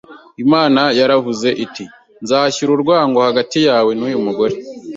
Imana yaravuze iti: “Nzashyira urwango hagati yawe n’uyu mugore,